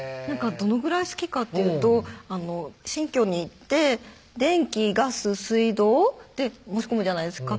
どのぐらい好きかっていうと新居に行って電気・ガス・水道って申し込むじゃないですか